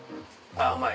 あっうまい